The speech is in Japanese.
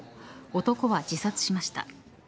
男は自殺しました。